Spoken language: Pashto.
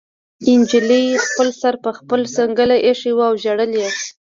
نجلۍ خپل سر په خپله څنګله ایښی و او ژړل یې